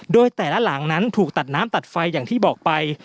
โดยแต่ละหลังนั้นถูกตัดน้ำตัดไฟอย่างที่บอกไป